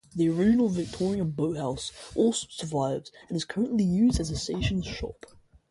The original Victorian boathouse also survives, and is currently used as the station's shop.